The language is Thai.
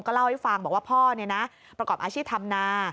ก็เล่าให้ฟังว่าพ่อเนี่ยนะประกอบอาชีพธรรมนา